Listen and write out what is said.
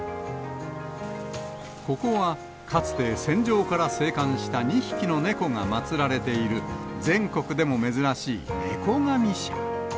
ここは、かつて戦場から生還した２匹の猫が祭られている、全国でも珍しい猫神社。